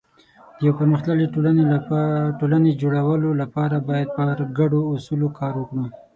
د یو پرمختللي ټولنې د جوړولو لپاره باید پر ګډو اصولو کار وکړو.